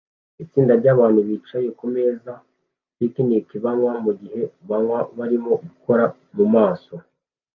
Itsinda ryabantu bicaye kumeza picnic banywa mugihe bamwe barimo gukora mumaso